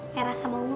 merah sama ungu